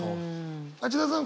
町田さん